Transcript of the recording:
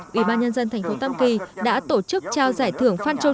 ủy ban nhân dân thành phố tam kỳ đã tổ chức trao giải thưởng phan châu